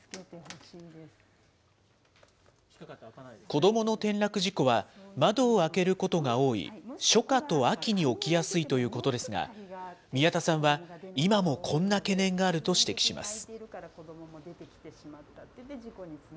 子どもの転落事故は、窓を開けることが多い初夏と秋に起きやすいということですが、宮田さんは、今もこんな懸念があると指摘します。